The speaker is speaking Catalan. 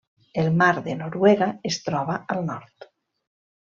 El mar de Noruega es troba al nord.